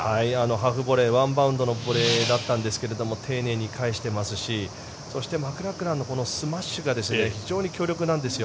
ハーフボレーワンバウンドのボレーだったんですが丁寧に返していますしそしてマクラクランのスマッシュが非常に強力なんですよ。